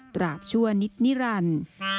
ตราบชั่วนิดนิรันดิ์